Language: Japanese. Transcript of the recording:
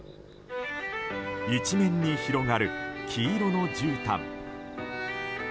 一面に広がる黄色のじゅうたん。